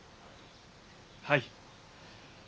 はい。